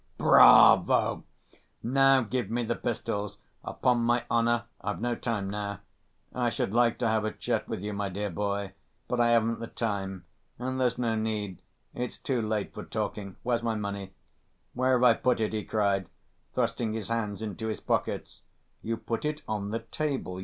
"Bravo! Now give me the pistols. Upon my honor I've no time now. I should like to have a chat with you, my dear boy, but I haven't the time. And there's no need, it's too late for talking. Where's my money? Where have I put it?" he cried, thrusting his hands into his pockets. "You put it on the table